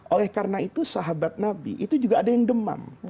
oleh karena itu sahabat nabi itu juga ada yang demam